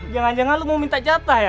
jangan jangan lo mau minta jatah ya